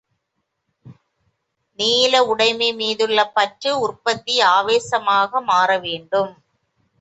நிலஉடைமை மீதுள்ள பற்று, உற்பத்தி ஆவேசமாக மாற வேண்டும்.